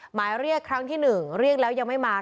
หมายเรียกครั้งที่๑เรียกแล้วยังไม่มา